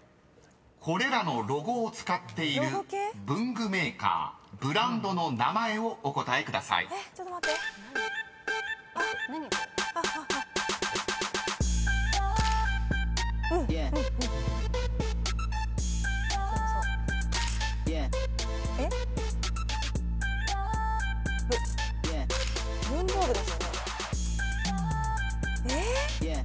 ［これらのロゴを使っている文具メーカー・ブランドの名前をお答えください］何だ？